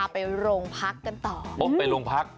พาไปโรงพักกันต่อ